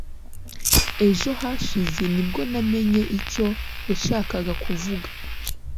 Ejo hashize nibwo namenye icyo yashakaga kuvuga